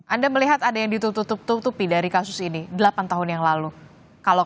anda melihat ada yang ditutup tutupi dari kasus ini delapan tahun yang lalu